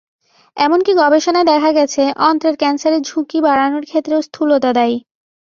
এমনকি গবেষণায় দেখা গেছে, অন্ত্রের ক্যানসারের ঝুঁকি বাড়ানোর ক্ষেত্রেও স্থূলতা দায়ী।